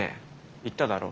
言っただろ？